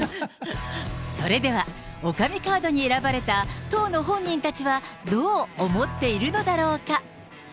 それでは、女将カードに選ばれた、当の本人たちは、、どう思っているのだろうか。